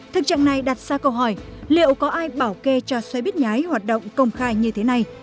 thực trạng này đặt ra câu hỏi liệu có ai bảo kê cho xe buýt nhái hoạt động công khai như thế này